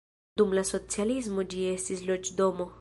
Dum la socialismo ĝi estis loĝdomo.